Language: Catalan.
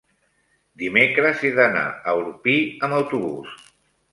dimecres he d'anar a Orpí amb autobús.